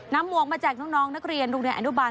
นำหมวกมาแจกน้องนักเรียนภูมิแห่งอนุบาล